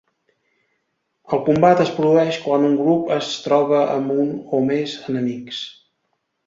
El combat es produeix quan un grup es troba amb un o més enemics.